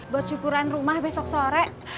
buat syukuran rumah besok sore